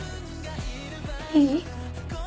いい？